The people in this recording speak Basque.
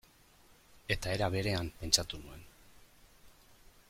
Eta era berean, pentsatu nuen.